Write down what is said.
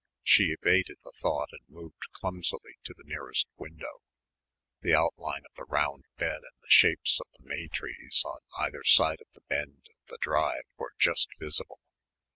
She evaded the thought and moved clumsily to the nearest window. The outline of the round bed and the shapes of the may trees on either side of the bend of the drive were just visible.